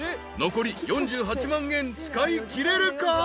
［残り４８万円使いきれるか？］